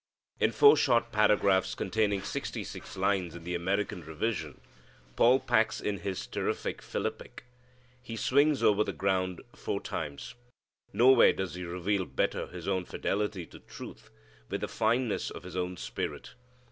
In four short paragraphs containing sixty six lines in the American Revision, Paul packs in his terrific philippic. He swings over the ground four times. Nowhere does he reveal better his own fidelity to truth, with the fineness of his own spirit.